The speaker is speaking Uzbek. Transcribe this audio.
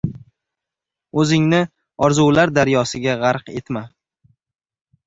— O‘zingni orzular daryosiga g‘arq etma.